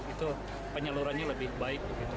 itu penyalurannya lebih baik